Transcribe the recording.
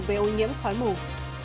về ô nhiễm khóa mũi